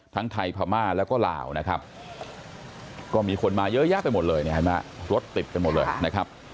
ทั้งไทยภามาแล้วก็ลาวนะครับก็มีคนมาเยอะแยะไปหมดเลยรถติดไปหมดเลยนะครับ